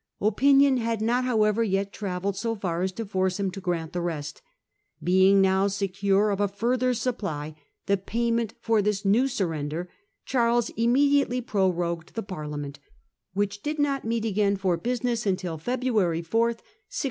Opinion had not however yet travelled so far as to force him to grant the rest. Being now secure of a further supply, the payment for this new surrender, Charles immediately prorogued the Parlia ment, which did not meet again for business until F eb ruary 4, 1672.